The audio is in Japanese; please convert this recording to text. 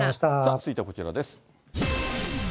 続いてはこちらです。